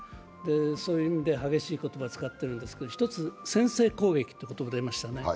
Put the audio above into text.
そういう意味で激しい言葉を使っているんですけど、一つ、先制攻撃という言葉が出ましたね。